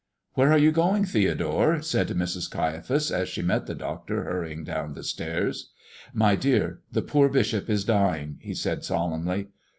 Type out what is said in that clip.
"Where are you going, Theodore?" said Mrs. Caiaphas, as she met the doctor hurrying down the stairs. "My dear, the poor bishop is dying," he said, solemnly.